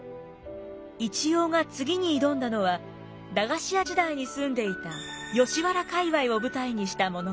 一葉が次に挑んだのは駄菓子屋時代に住んでいた吉原界わいを舞台にした物語。